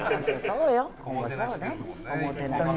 おもてなし。